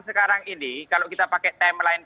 sekarang ini kalau kita pakai timeline